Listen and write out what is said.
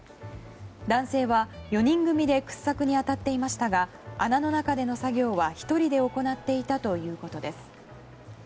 男性は４人組で掘削に当たっていましたが穴の中での作業は１人で行っていたということです。